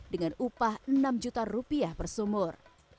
dengan upah enam juta rupiah per sumur